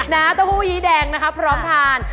เต้าหู้ยี้แดงนะคะพร้อมทาน